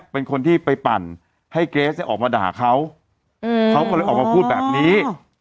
เป็นคนที่ไปปั่นให้เกรสเนี่ยออกมาด่าเขาเขาก็เลยออกมาพูดแบบนี้